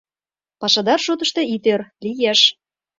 Пашадар шотышто ит ӧр, лиеш.